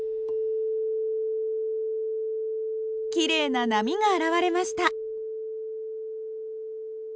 きれいな波が現れました。